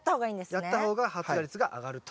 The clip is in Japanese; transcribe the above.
やった方が発芽率が上がると。